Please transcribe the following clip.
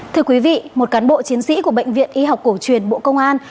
thưa quý vị một cán bộ chiến sĩ của bệnh viện y học cổ truyền bộ công an